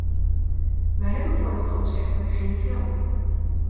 Wij hebben voor dat alles echter geen geld.